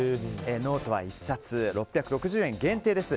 ノートは１冊６６０円限定です。